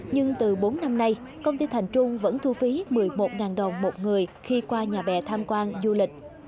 nhưng từ bốn năm nay công ty thành trung vẫn thu phí một mươi một đồng một người khi qua nhà bè tham quan du lịch